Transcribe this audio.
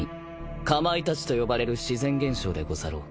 かまいたちと呼ばれる自然現象でござろう。